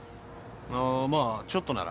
ああまあちょっとなら。